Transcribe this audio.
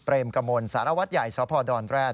เปรมกมลสารวัดใหญ่สพดร